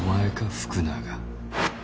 福永。